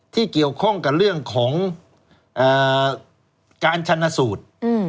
ที่เกี่ยวข้องกับเรื่องของการชันสูตร